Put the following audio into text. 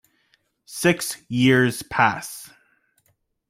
Six years pass.